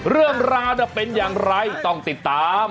เรื่องราวเป็นอย่างไรต้องติดตาม